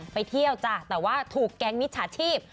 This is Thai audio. ไปเที่ยวจ้ะแต่ว่าถูกแก๊งมิจฉาชีพ